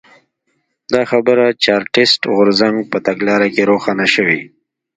دا خبره د چارټېست غورځنګ په تګلاره کې روښانه شوې.